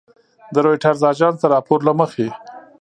د رویټرز اژانس د راپور له مخې